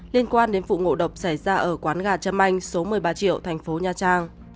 liên quan đến vụ ngộ độc xảy ra ở quán gà trâm anh số một mươi ba triệu thành phố nha trang